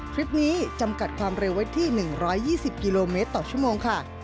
คลิปนี้จำกัดความเร็วไว้ที่๑๒๐กิโลเมตรต่อชั่วโมงค่ะ